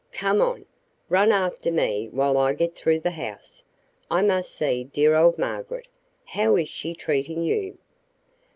Come on. Run after me while I get through the house. I must see dear old Margaret. How is she treating you?"